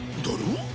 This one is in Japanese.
だろう？